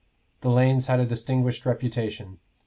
The lanes had a distinguished reputation.